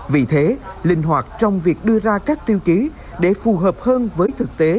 vì thế linh hoạt trong việc đưa ra các tiêu chí để phù hợp hơn với thực tế